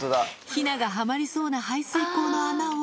ひながはまりそうな排水溝の穴を。